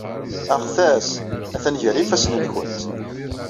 Aɣtas atan gar yifassen-nwent.